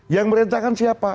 yang merentahkan siapa